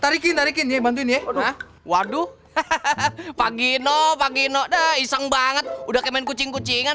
tarikin tarikin ya bantuin ya waduh pagi no pagi no dah iseng banget udah kemen kucing kucingan